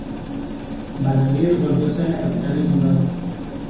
Balaguer volvió a ser la capital del condado.